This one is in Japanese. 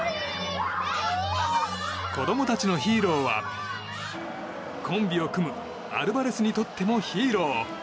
子供たちのヒーローはコンビを組むアルバレスにとってもヒーロー。